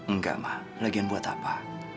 nggak ma lagian buat apa